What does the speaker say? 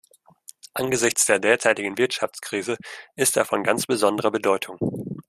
Angesichts der derzeitigen Wirtschaftskrise ist er von ganz besonderer Bedeutung.